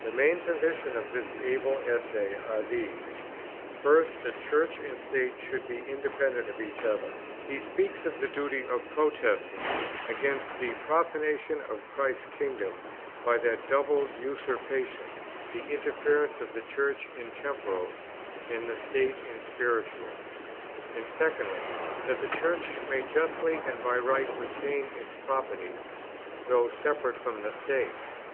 The main positions of this able essay are these; first that Church and State should be independent of each other: he speaks of the duty of protesting "against the profanation of Christ's kingdom, by that double usurpation, the interference of the Church in temporals, of the State in spirituals," p. 191; and, secondly, that the Church may justly and by right retain its property, though separated from the State.